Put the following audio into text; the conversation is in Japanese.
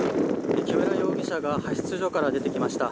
木村容疑者が派出所から出てきました。